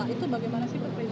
itu bagaimana sih pak